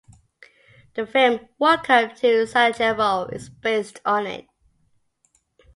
The film "Welcome to Sarajevo" is based on it.